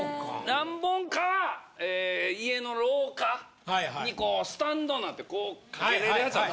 何本かはえ家の廊下にこうスタンドなってこうかけれるやつある。